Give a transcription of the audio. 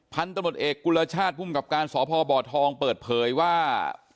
พันธุ์ตำรวจเอกกุลชาติภูมิกับการสพบทองเปิดเผยว่า